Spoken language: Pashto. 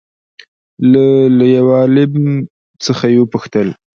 له له يوه عالم څخه يې وپوښتل